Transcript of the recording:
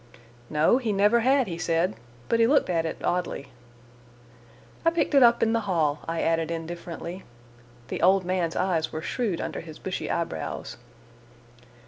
No, he never had, he said, but he looked at it oddly. "I picked it up in the hall," I added indifferently. The old man's eyes were shrewd under his bushy eyebrows.